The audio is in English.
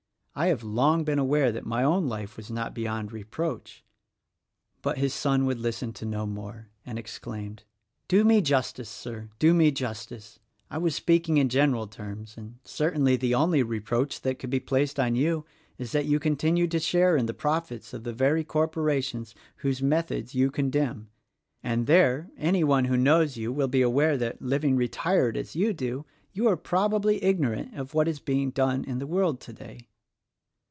I have long been aware that my own life was not beyond reproach —" But his son would listen to no more and exclaimed, "Do me justice, Sir, do me justice! I was speaking in general terms; and certainly the only reproach that could be placed on you is that you continue to share in the profits of the very corporations whose methods you con demn—and there, any one who knows you will be aware that, living as retired as you do, you are probably ignorant of what is being done in the world today."